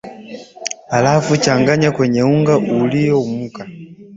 halafu changanya kwenye unga ulioumka